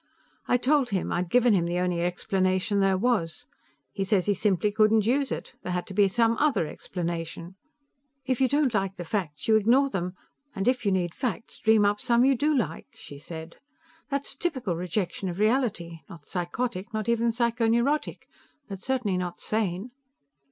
I told him I'd given him the only explanation there was. He said he simply couldn't use it. There had to be some other explanation." "If you don't like the facts, you ignore them, and if you need facts, dream up some you do like," she said. "That's typical rejection of reality. Not psychotic, not even psychoneurotic. But certainly not sane."